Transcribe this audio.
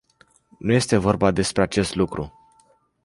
Nu este vorba despre acest lucru.